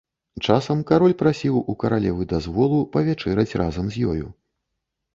Часам кароль прасіў у каралевы дазволу павячэраць разам з ёю.